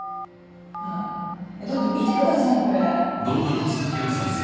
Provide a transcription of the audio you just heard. はいだって見てください